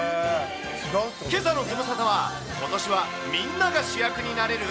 けさのズムサタは、ことしはみんなが主役になれる？